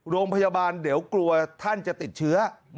โรงพยาบาลเดี๋ยวกลัวท่านจะติดเชื้อ